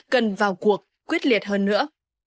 cần vào cuộc quyết liệt hơn nữa